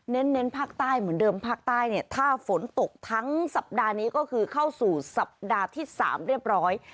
เน้นภาคใต้เหมือนเดิมภาคใต้เนี่ยถ้าฝนตกทั้งสัปดาห์นี้ก็คือเข้าสู่สัปดาห์ที่๓เรียบร้อย